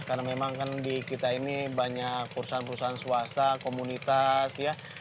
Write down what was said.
karena memang kan di kita ini banyak perusahaan perusahaan swasta komunitas